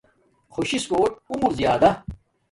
خوش سس کوٹ عمر زیادہ